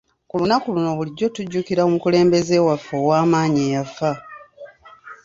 Ku lunaku luno bulijjo tujjukira omukulembeze waffe ow'amaanyi eyafa.